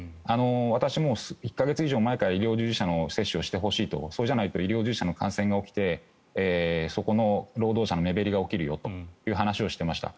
私はもう１か月以上前から医療従事者の接種をしてほしいとそうじゃないと医療従事者の感染が起きてそこの労働者の目減りが起きるよという話をしていました。